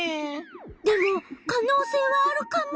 でも可能性はあるカモ。